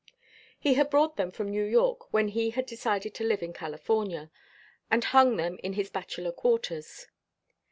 He had brought them from New York when he had decided to live in California, and hung them in his bachelor quarters.